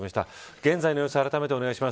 現在の様子あらためてお願いします。